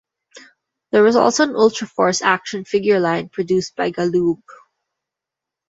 There was also an "Ultraforce" action figure line produced by Galoob.